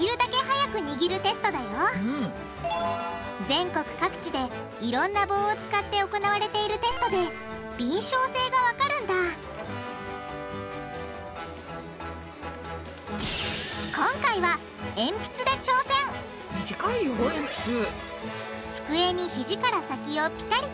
全国各地でいろんな棒を使って行われているテストで敏しょう性がわかるんだ今回は短いよえんぴつ。